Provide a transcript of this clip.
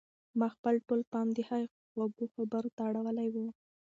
ما خپل ټول پام د هغې خوږو خبرو ته اړولی و.